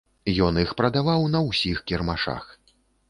Ён іх прадаваў на ўсіх кірмашах.